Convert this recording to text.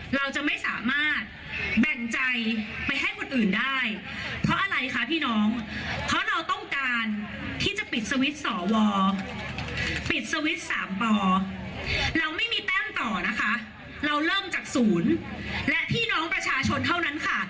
เราเริ่มจากศูนย์และพี่น้องประชาชนเท่านั้นค่ะ